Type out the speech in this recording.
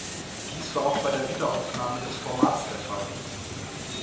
Dies war auch bei der Wiederaufnahme des Formats der Fall.